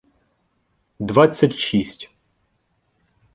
Двадцять шість